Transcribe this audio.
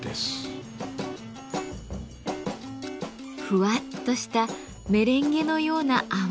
フワッとしたメレンゲのような泡。